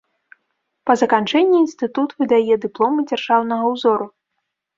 Па заканчэнні інстытут выдае дыпломы дзяржаўнага ўзору.